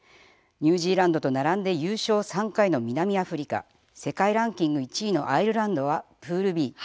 ニュージーランドと並んで優勝３回の南アフリカ世界ランキング１位のアイルランドはプールＢ。